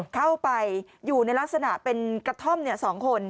เข้าไปอยู่ในลักษณะเป็นกระท่อม๒คน